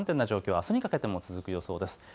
あすにかけても続く予想です。